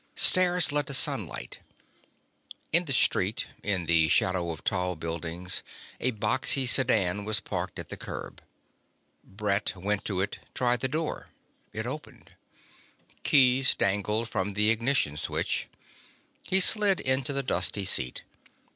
Stairs led up to sunlight. In the street, in the shadow of tall buildings, a boxy sedan was parked at the curb. Brett went to it, tried the door. It opened. Keys dangled from the ignition switch. He slid into the dusty seat.